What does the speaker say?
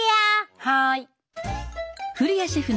はい。